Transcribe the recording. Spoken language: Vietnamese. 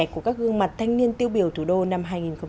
của các gương mặt thanh niên tiêu biểu thủ đô năm hai nghìn một mươi sáu